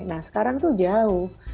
nah sekarang tuh jauh